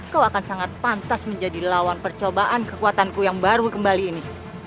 kau akan sangat pantas menjadi lawan percobaan kekuatanku yang baru kembali ini